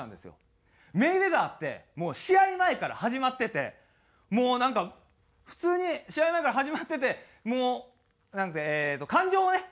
メイウェザーってもう試合前から始まっててもうなんか普通に試合前から始まっててもう感情をね